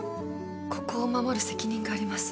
ここを守る責任があります